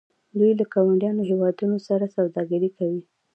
دوی له ګاونډیو هیوادونو سره سوداګري کوي.